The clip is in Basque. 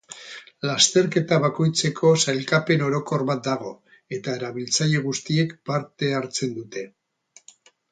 Lasterketa bakoitzeko sailkapen orokor bat dago, eta erabiltzaile guztiek parte hartzen dute.